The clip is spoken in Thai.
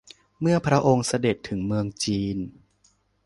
เมื่อพระองค์เสด็จถึงเมืองจีน